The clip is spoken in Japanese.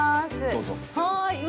どうぞ。